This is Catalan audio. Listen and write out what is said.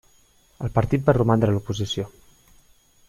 El partit va romandre a l'oposició.